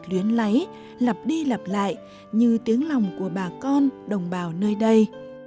luyến lấy lặp đi lặp lại như tiếng lòng của bà con đồng bào nơi đây